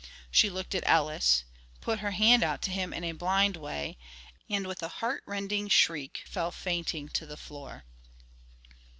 She looked at Ellis, put out her hand to him in a blind way, and with a heartrending shriek fell fainting to the floor.